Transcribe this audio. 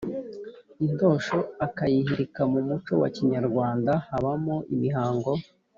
intosho akayihirikamu muco wa Kinyarwanda habamo imihango